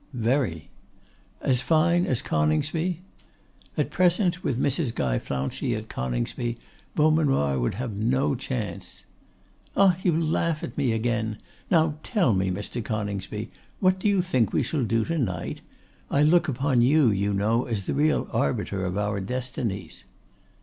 'Very.' 'As fine as Coningsby?' 'At present, with Mrs. Guy Flouncey at Coningsby, Beaumanoir would have no chance.' 'Ah! you laugh at me again! Now tell me, Mr. Coningsby, what do you think we shall do to night? I look upon you, you know, as the real arbiter of our destinies.